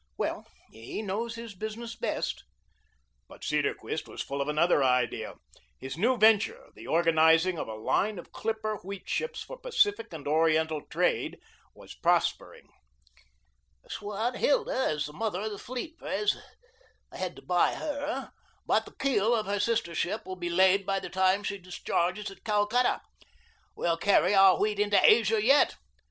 "Well, he knows his business best." But Cedarquist was full of another idea: his new venture the organizing of a line of clipper wheat ships for Pacific and Oriental trade was prospering. "The 'Swanhilda' is the mother of the fleet, Pres. I had to buy HER, but the keel of her sister ship will be laid by the time she discharges at Calcutta. We'll carry our wheat into Asia yet.